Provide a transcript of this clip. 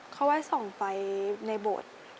เขาไว้ส่องไปในโบสถ์